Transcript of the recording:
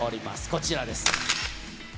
こちらです。